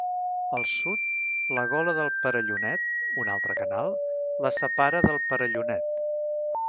Al Sud, la Gola de Perellonet, una altra canal, la separa del Perellonet.